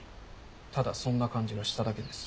ただそんな感じがしただけです。